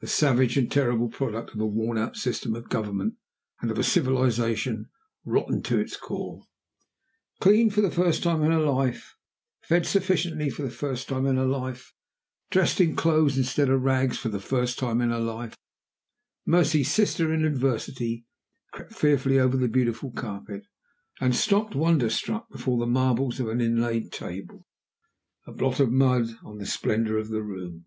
the savage and terrible product of a worn out system of government and of a civilization rotten to its core! Cleaned for the first time in her life, fed sufficiently for the first time in her life, dressed in clothes instead of rags for the first time in her life, Mercy's sister in adversity crept fearfully over the beautiful carpet, and stopped wonder struck before the marbles of an inlaid table a blot of mud on the splendor of the room.